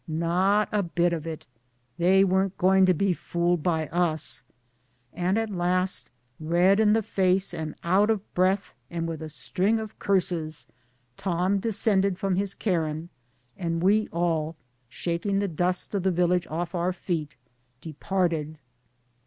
Not a bit of it they weren't going to be fooled by us ! and at last red in the face and out of breath and with a string of curses, Tom descended from his cairn, and we all, shaking the dust of the village off our feet, departed